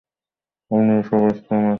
আপনি সবে স্পেন থেকে এসেছেন, সেনোরা?